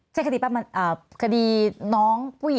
ใช่คดีปะคดีน้องผู้หญิง